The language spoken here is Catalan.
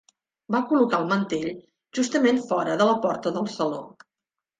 Va col·locar el mantell justament fora de la porta del saló.